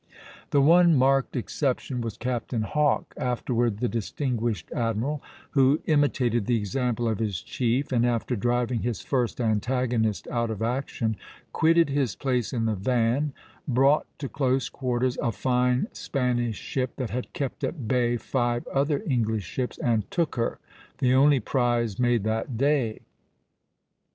The one marked exception was Captain Hawke, afterward the distinguished admiral, who imitated the example of his chief, and after driving his first antagonist out of action, quitted his place in the van (b), brought to close quarters (b') a fine Spanish ship that had kept at bay five other English ships, and took her, the only prize made that day.